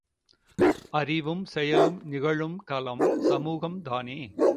அறிவும் செயலும் நிகழும் களம் சமூகம், தானே!